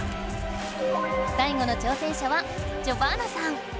最後の挑戦者はジォバナさん。